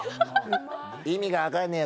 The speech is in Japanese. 意味がわかんねえよ